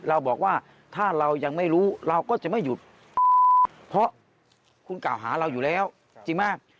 เราบอกว่าถ้าเรายังไม่รู้เราก็จะไม่หยุดเพราะคุณกล่าวหาเราอยู่แล้วจริงมาก